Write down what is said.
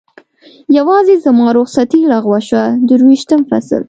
یوازې زما رخصتي لغوه شوه، درویشتم فصل.